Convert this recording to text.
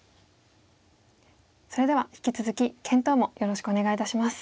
それでは引き続き検討もよろしくお願いいたします。